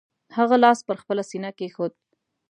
هغه لاس پر خپله سینه کېښود.